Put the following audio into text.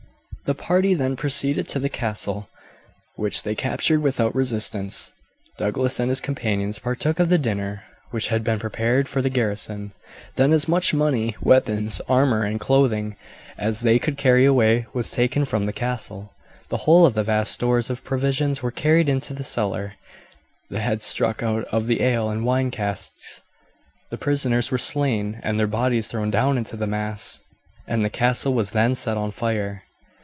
The party then proceeded to the castle, which they captured without resistance. Douglas and his companions partook of the dinner which had been prepared for the garrison; then as much money, weapons, armour, and clothing as they could carry away was taken from the castle. The whole of the vast stores of provisions were carried into the cellar, the heads struck out of the ale and wine casks, the prisoners were slain and their bodies thrown down into the mass, and the castle was then set on fire.